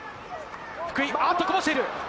福井、あっと、こぼしている。